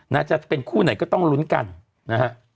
น่าจะเป็นคู่ไหนก็ต้องลุ้นกันนะฮะ